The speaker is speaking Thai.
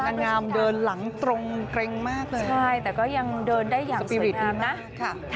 นางงามเดินหลังตรงเกร็งมากเลยใช่แต่ก็ยังเดินได้อย่างสปีริตดีมนะค่ะ